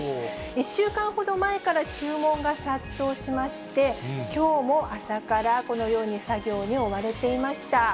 １週間ほど前から注文が殺到しまして、きょうも朝からこのように作業に追われていました。